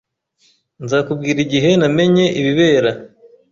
Nzakubwira igihe namenye ibibera